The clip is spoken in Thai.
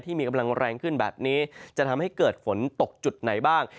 ที่มีกำลังแรงขึ้นแบบนี้จะทำให้เกิดฝนตกจุดไหนบ้าง